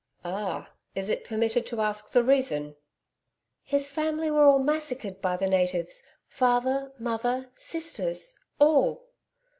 'Ah! Is it permitted to ask the reason?' 'His family were all massacred by the natives father, mother, sisters all.